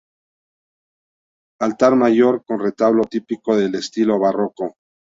Altar mayor con retablo típico del estilo barroco.